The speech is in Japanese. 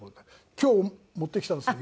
今日持ってきたんですけど。